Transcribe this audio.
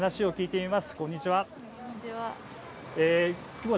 こんにちは。